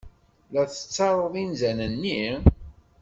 La tettaruḍ inzan-nni?